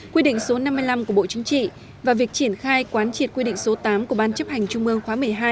quy định số năm mươi năm của bộ chính trị và việc triển khai quán triệt quy định số tám của ban chấp hành trung mương khóa một mươi hai